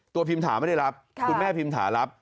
พิมถาไม่ได้รับคุณแม่พิมถารับ